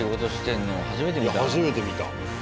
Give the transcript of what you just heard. いや初めて見た。